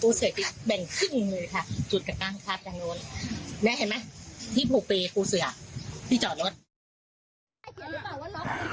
จุดกระตั้งคราบด้านโน้นแม่เห็นไหมที่บุกเปย์ปูเสือที่จอดรถ